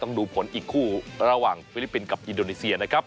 ดูผลอีกคู่ระหว่างฟิลิปปินส์กับอินโดนีเซียนะครับ